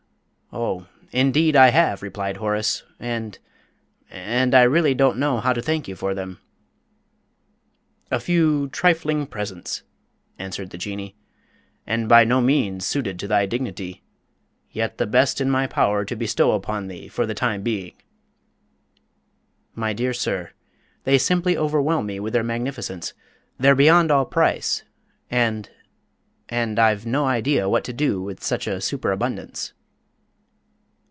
"Oh, indeed I have!" replied Horace; "and and I really don't know how to thank you for them." "A few trifling presents," answered the Jinnee, "and by no means suited to thy dignity yet the best in my power to bestow upon thee for the time being." "My dear sir, they simply overwhelm me with their magnificence! They're beyond all price, and and I've no idea what to do with such a superabundance."